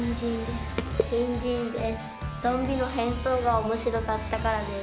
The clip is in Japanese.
ゾンビの変装が面白かったからです。